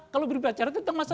kalau berbicara tentang masa